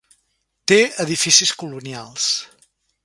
Té edificis colonials.